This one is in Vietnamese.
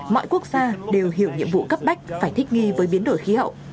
mọi quốc gia đều hiểu nhiệm vụ cấp bách phải thích nghi với biến đổi khí hậu